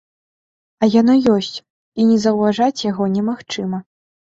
А яно ёсць, і не заўважаць яго немагчыма.